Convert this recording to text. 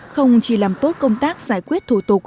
không chỉ làm tốt công tác giải quyết thủ tục